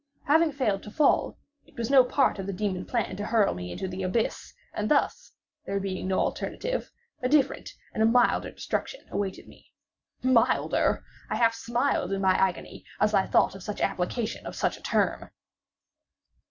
Having failed to fall, it was no part of the demon plan to hurl me into the abyss; and thus (there being no alternative) a different and a milder destruction awaited me. Milder! I half smiled in my agony as I thought of such application of such a term.